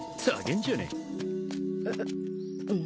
・ん？